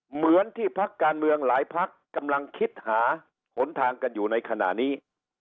เหมือนที่พักการเมืองหลายพักกำลังคิดหาหนทางกันอยู่ในขณะนี้